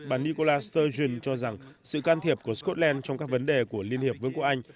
bà nicola sturgend cho rằng sự can thiệp của scotland trong các vấn đề của liên hiệp vương quốc anh